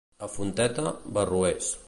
A Fonteta, barroers.